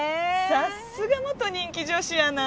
さすが元人気女子アナ